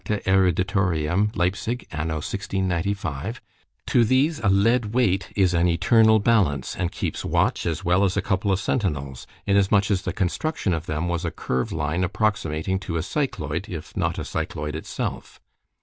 Erud. Lips._ an. 1695—to these a lead weight is an eternal balance, and keeps watch as well as a couple of centinels, inasmuch as the construction of them was a curve line approximating to a cycloid——if not a cycloid itself.